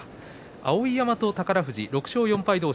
碧山と宝富士６勝４敗同士。